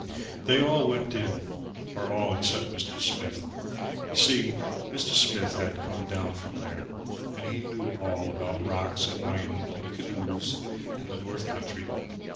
They all went in or all except Mr. Smith. You see, Mr. Smith had come down from there, and he knew all about rocks and mining and canoes and the north country.